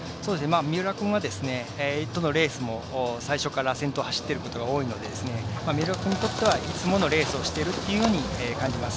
三浦君はどのレースも最初から先頭を走っていることが多いので三浦君としてはいつものレースをしていると感じます。